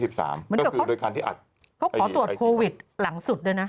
เหมือนกับเขาขอตรวจโควิดหลังสุดด้วยนะ